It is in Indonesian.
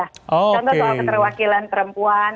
contoh soal keterwakilan perempuan